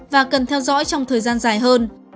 và cần theo dõi trong thời gian dài hơn